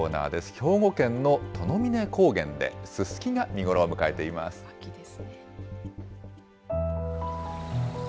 兵庫県の砥峰高原でススキが見頃を迎えています。